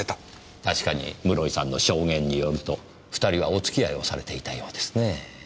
確かに室井さんの証言によると２人はお付き合いをされていたようですね。